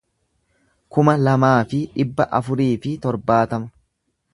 kuma lamaa fi dhibba afurii fi torbaatama